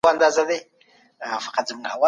بيا دي په سرو سترګو کي زما ياري ده